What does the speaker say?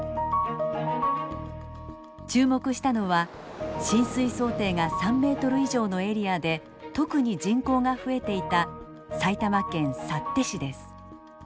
注目したのは浸水想定が３ｍ以上のエリアで特に人口が増えていた埼玉県幸手市です。